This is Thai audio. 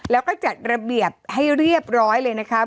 แล้วก็จัดระเบียบให้เรียบร้อยเลยนะคะ